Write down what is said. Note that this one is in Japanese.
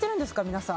皆さん。